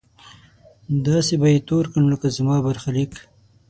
داسې به يې تور کړم لکه زما برخليک